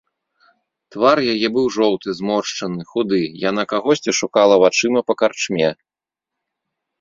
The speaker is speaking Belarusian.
Твар яе быў жоўты, зморшчаны, худы, яна кагосьці шукала вачыма па карчме.